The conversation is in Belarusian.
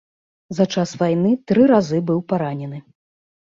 За час вайны тры разы быў паранены.